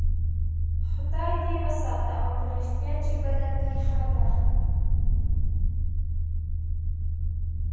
خدای دې وساته او په رښتیا چې بده پېښه ده.